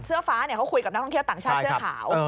เสื้อฟ้าเขาคุยกับนักท่องเที่ยวต่างชาติเสื้อขาว